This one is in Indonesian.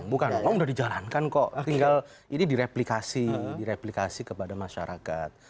bukan memang sudah dijalankan kok tinggal ini direplikasi direplikasi kepada masyarakat